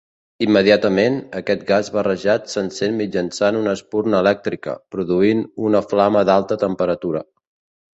Immediatament, aquest gas barrejat s'encén mitjançant una espurna elèctrica, produint una flama d'alta temperatura.